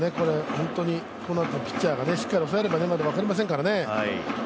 本当にこのあとピッチャーがしっかり抑えればまだわかりませんからね。